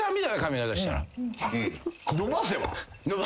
・伸ばせば？